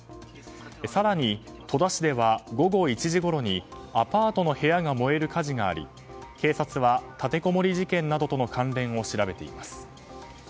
更に、戸田市では午後１時ごろにアパートの部屋が燃える火事があり警察は、立てこもり事件などとの関連を調べています。